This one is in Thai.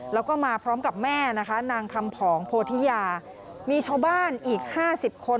แล้วก็มาพร้อมกับแม่นะคะนางคำผองโพธิยามีชาวบ้านอีก๕๐คน